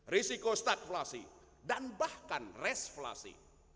risiko stakulasi dan bahkan resflasi